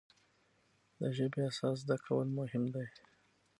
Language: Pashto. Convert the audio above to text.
د ژبې اساس زده کول مهم دی.